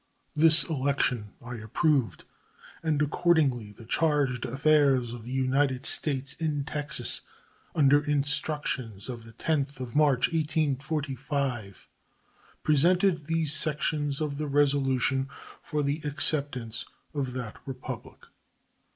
This election I approved, and accordingly the charge d'affaires of the United States in Texas, under instructions of the 10th of March, 1845, presented these sections of the resolution for the acceptance of that Republic.